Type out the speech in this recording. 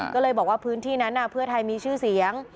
ก็เลยบอกว่าพื้นที่นั้นเพื่อไทยมีชื่อเสียง